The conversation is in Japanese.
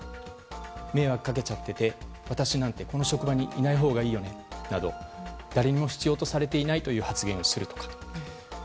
迷惑かけちゃってて私なんてこの職場にいないほうがいいよねなど誰にも必要とされていない発言をするとか。